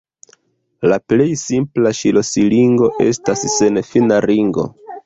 La plej simpla ŝlosilingo estas senfina ringo.